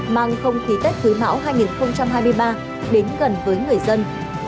mang không khí tết thứ mão hai nghìn hai mươi ba đến gần với người dân